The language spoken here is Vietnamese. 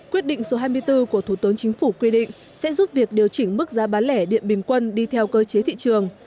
quyết định số hai mươi bốn của thủ tướng chính phủ quy định sẽ giúp việc điều chỉnh mức giá bán lẻ điện bình quân đi theo cơ chế thị trường